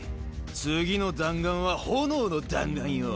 次の弾丸は炎の弾丸よぉ。